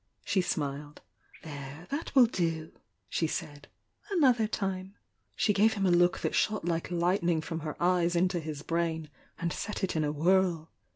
She smiled. 'There, that will do!" she said— "Another ime She gave him a look that shot like hghtnmg from her eyes into his brain, and set it in a whirl.